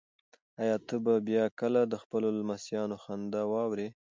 ایا ته به بیا کله د خپلو لمسیانو خندا واورې؟